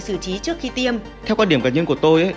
sự trí trước khi tiêm theo quan điểm cá nhân của tôi